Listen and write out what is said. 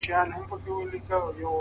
نیک نیت زړونه نږدې کوي؛